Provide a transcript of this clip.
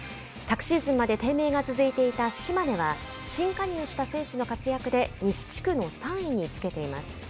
昨シーズンまで低迷が続いていた島根は新加入した選手の活躍で西地区の３位につけています。